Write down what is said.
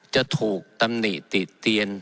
จะถูกตำหนิติเตียน